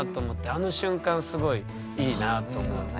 あの瞬間すごいいいなと思います。